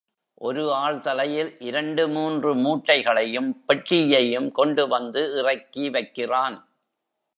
ஒரு ஆள் தலையில் இரண்டு மூன்று மூட்டைகளையும் பெட்டியையும் கொண்டு வந்து இறக்கிவைக்கிறான்.